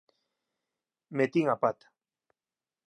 Metín a pata.